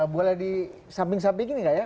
boleh di samping samping ini nggak ya